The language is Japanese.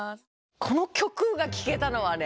この曲が聴けたのはね